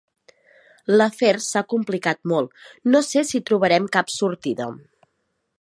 L'afer s'ha complicat molt: no sé si trobarem cap sortida.